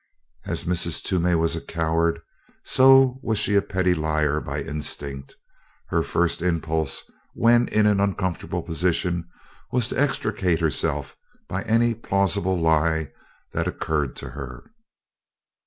As Mrs. Toomey was a coward, so was she a petty liar by instinct. Her first impulse when in an uncomfortable position was to extricate herself by any plausible lie that occurred to her.